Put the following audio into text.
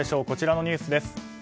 こちらのニュースです。